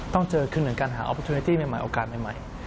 ต้องเจอขึ้นหนึ่งการหาโอกาสใหม่